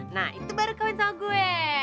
nah itu baru kawin sama gue